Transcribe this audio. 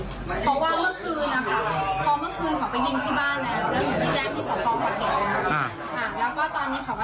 เพราะว่าเมื่อคืนนะคะพอเมื่อคืนเขาไปยิงที่บ้านแล้วแล้วหนูไปแจ้งที่สพหวัดใหญ่แล้ว